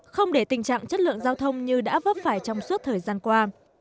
không để tình trạng chất lượng giao thông như đã vấp phải trong suốt thời gian qua